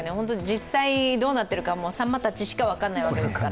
実際どうなっているのか、さんまたちしか分からないんですから。